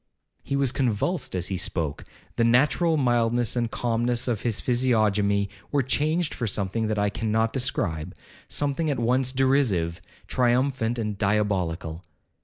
He was convulsed as he spoke, the natural mildness and calmness of his physiognomy were changed for something that I cannot describe—something at once derisive, triumphant, and diabolical.